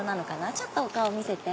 ちょっとお顔見せて！